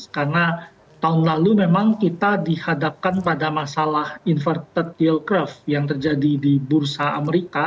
karena tahun lalu memang kita dihadapkan pada masalah inverted yield curve yang terjadi di bursa amerika